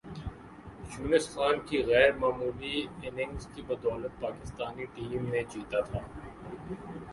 یونس خان کی غیر معمولی اننگز کی بدولت پاکستانی ٹیم نے جیتا تھا